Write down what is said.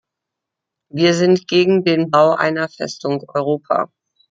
Wir sind gegen den Bau einer Festung Europa.